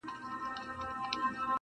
• ولولئ نر او ښځي ټول د کتابونو کیسې,